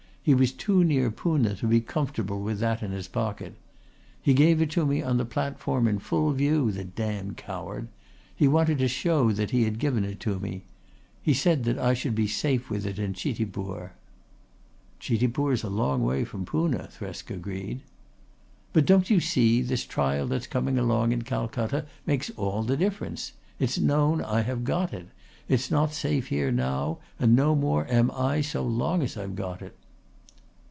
He was too near Poona to be comfortable with that in his pocket. He gave it to me on the platform in full view, the damned coward. He wanted to show that he had given it to me. He said that I should be safe with it in Chitipur." "Chitipur's a long way from Poona," Thresk agreed. "But don't you see, this trial that's coming along in Calcutta makes all the difference. It's known I have got it. It's not safe here now and no more am I so long as I've got it."